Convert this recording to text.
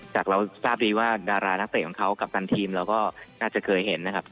จากเราทราบดีว่าดารานักเตะของเขากัปตันทีมเราก็น่าจะเคยเห็นนะครับ